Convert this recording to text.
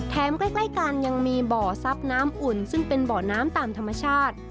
ใกล้กันยังมีบ่อซับน้ำอุ่นซึ่งเป็นบ่อน้ำตามธรรมชาติ